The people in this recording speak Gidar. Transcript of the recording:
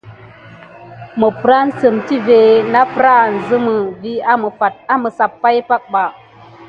Məpplansəm tive napprahan zəmə vis amizeb sine sime.